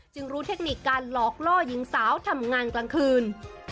รู้เทคนิคการหลอกล่อหญิงสาวทำงานกลางคืน